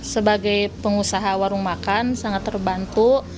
sebagai pengusaha warung makan sangat terbantu